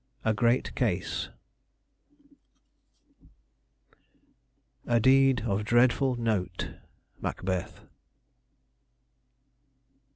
"A GREAT CASE" "A deed of dreadful note." Macbeth.